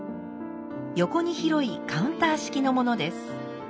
横に広いカウンター式のものです。